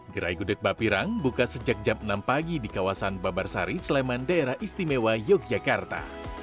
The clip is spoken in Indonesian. gerai gudeg bapirang buka sejak jam enam pagi di kawasan babarsari sleman daerah istimewa yogyakarta